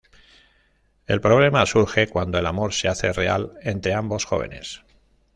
El problema surge cuando el amor se hace real entre ambos jóvenes.